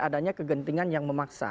adanya kegentingan yang memaksa